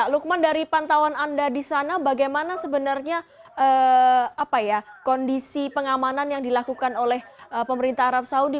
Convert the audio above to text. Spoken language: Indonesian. lukman dari pantauan anda di sana bagaimana sebenarnya kondisi pengamanan yang dilakukan oleh pemerintah arab saudi